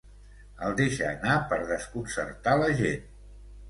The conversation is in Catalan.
El deixa anar per desconcertar la gent.